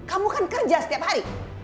kamu kan kerja setiap hari